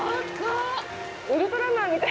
ウルトラマンみたい。